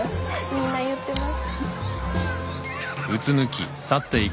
みんな言ってます。